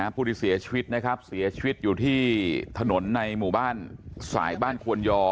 ผู้ที่เสียชีวิตนะครับเสียชีวิตอยู่ที่ถนนในหมู่บ้านสายบ้านควรยอ